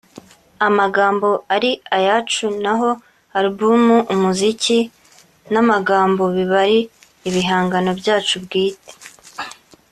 amagambo ari ayacu naho album umuziki n’amagambo biba ari ibihangano byacu bwite”